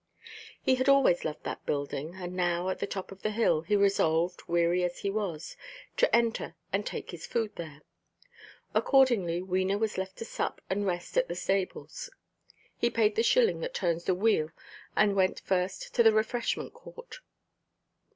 He had always loved that building, and now, at the top of the hill, he resolved (weary as he was) to enter and take his food there. Accordingly Wena was left to sup and rest at the stables; he paid the shilling that turns the wheel, and went first to the refreshment court.